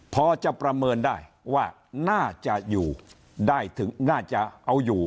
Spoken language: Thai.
พอจะประเมินได้ว่าน่าจะอยู่ได้ถึงน่าจะเอาอยู่